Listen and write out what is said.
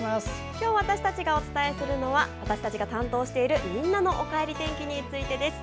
今日私たちがお伝えするのは私たちが担当している「みんなのおかえり天気」です。